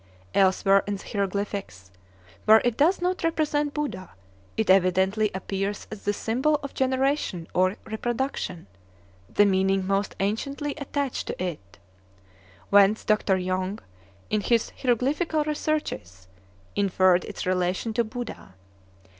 Elsewhere in the hieroglyphics, where it does not represent Buddha, it evidently appears as the symbol of generation or reproduction, the meaning most anciently attached to it; whence Dr. Young, in his "Hieroglyphical Researches," inferred its relation to Buddha.